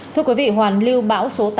thưa quý vị hoàn lưu bão số tám